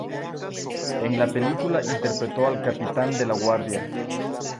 En la película interpretó al capitán de la Guardia.